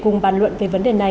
để cùng bàn luận về vấn đề này